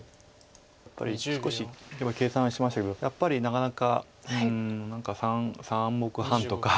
やっぱり少し今計算しましたけどなかなか３目半とか。